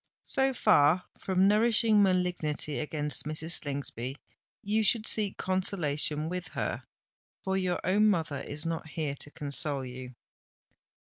"So far from nourishing malignity against Mrs. Slingsby, you should seek consolation with her; for your own mother is not here to console you!"